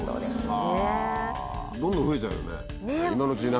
どんどん増えちゃうよね。